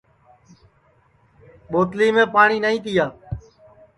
بوتلِیم پاٹؔی نائی تِیا